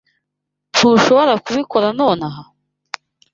Ntushobora kubikora nonaha?